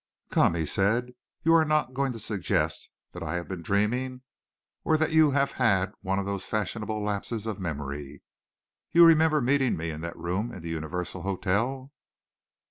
"Come," he said, "you are not going to suggest that I have been dreaming, or that you have had one of these fashionable lapses of memory? You remember meeting me in that room in the Universal Hotel?"